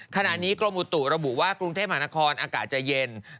ขณะนี้กรมอุตุระบุว่ากรุงเทพมหานครอากาศจะเย็น